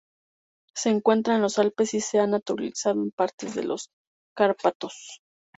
Se encuentra en los Alpes, y se ha naturalizado en parte de los Cárpatos.